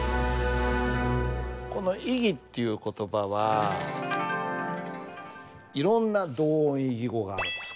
この「異義」っていう言葉はいろんな同音異義語があるんです。